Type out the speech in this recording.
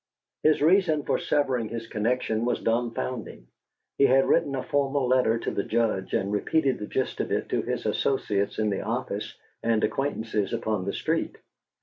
His reason for severing his connection was dumfounding; he had written a formal letter to the Judge and repeated the gist of it to his associates in the office and acquaintances upon the street.